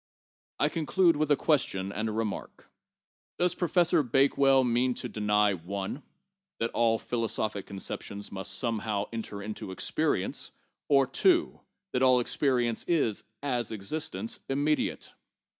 1 conclude with a question and a remark: Does Professor Bake well mean to deny (1) that all philosophic conceptions must somehow enter into experience, or (2) that all experience is, as existence, im mediate?